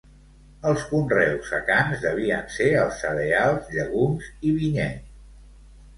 Els conreus secans devien ser els cereals, llegums i vinyet.